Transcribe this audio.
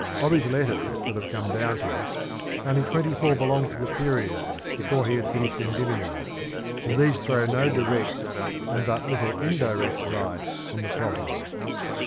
Of his letters that have come down to us, only twenty four belong to the period before he had finished Endymion, and these throw no direct, and but little indirect light on the problem.